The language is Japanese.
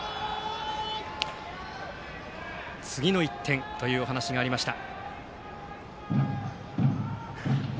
次の１点というお話がありました。